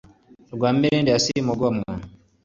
Rwa Mirindi ya Simugomwa